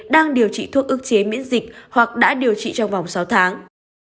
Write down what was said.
đang điều trị thuốc ức chế miễn dịch hoặc đã điều trị trong vòng sáu tháng